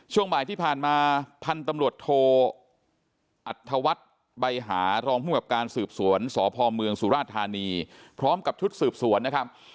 ช่วงบ่ายที่ผ่านมาพันตำรวจโทอัฐวัฐใบหารองพุงกับการสืบสวนสพมสทพร้อมกับชุดสืบสวนนะครับ